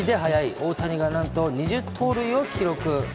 大谷がなんと２０盗塁を記録。